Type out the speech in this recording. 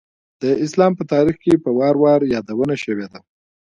د اسلام په تاریخ کې په وار وار یادونه شوېده.